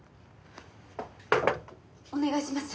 お願いします。